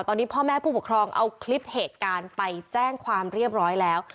ตอนนี้พ่อแม่ผู้ปกครองเอาคลิปเหตุการณ์ไปแจ้งความเรียบร้อยแล้ว